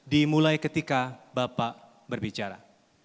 dimulai ketika bapak berbicara